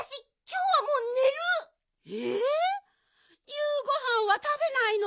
ゆうごはんはたべないの？